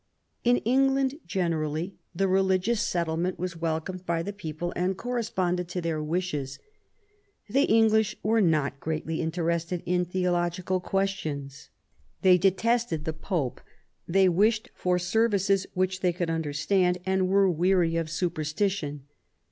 In England generally the religious settlement was welcomed by the people and corresponded to their wishes. The English were not greatly interested in theological questions. They detested the Pope ; they wished for services which they could understand, and were weary of superstition.